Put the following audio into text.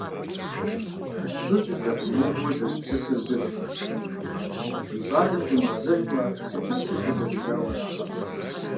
ЛӀыжьыр зэпымыууэ зэгупсысыр зыщ: «Мы щӀалэм къимыгъэзэжмэ, си лъапсэр хэкӀуэдэжауэ аракъэ?».